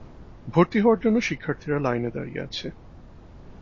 ভর্তি হওয়ার জন্য শিক্ষার্থীরা লাইনে দাঁড়িয়ে আছে।